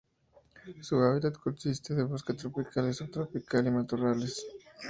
Su hábitat consiste de bosque tropical y subtropical, y matorrales.